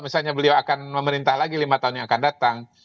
misalnya beliau akan memerintah lagi lima tahun yang akan datang